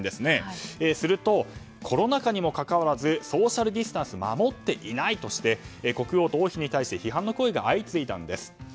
すると、コロナ禍にもかかわらずソーシャルディンスタンスを守っていないとして国王と王妃に対して批判の声が相次いだんです。